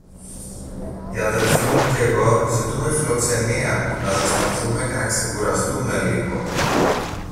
Η αδελφή μου κι εγώ ζητούμε φιλοξενία, να ζεσταθούμε και να ξεκουραστούμε λίγο.